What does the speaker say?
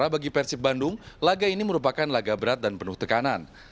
bagi persib bandung laga ini merupakan laga berat dan penuh tekanan